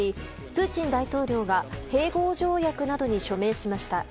プーチン大統領が併合条約などに署名しました。